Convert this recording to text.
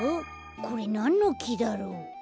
これなんのきだろう？